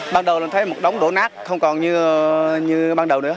ban đầu mình thấy một đống đổ nát không còn như ban đầu nữa